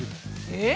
えっ？